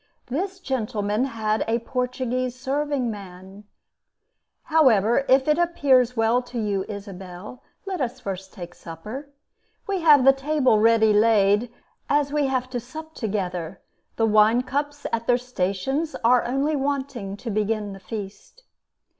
This gentleman had A Portuguese serving man ... However, if it appears well to you, Isabel, Let us first take supper. We have the table ready laid, As we have to sup together; The wine cups at their stations Are only wanting to begin the feast.